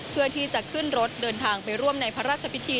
เพื่อที่จะขึ้นรถเดินทางไปร่วมในพระราชพิธี